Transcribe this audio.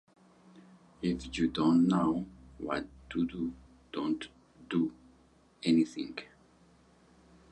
If you don't know what to do, don't do anything.